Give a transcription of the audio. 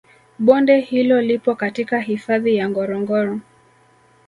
Bonde hilo lipo katika hifadhi ya ngorongoro